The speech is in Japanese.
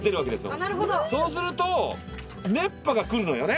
そうすると熱波がくるのよね。